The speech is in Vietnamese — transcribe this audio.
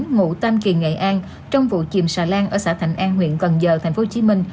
ngủ tam kỳ nghệ an trong vụ chìm xà lan ở xã thành an huyện cần giờ tp hcm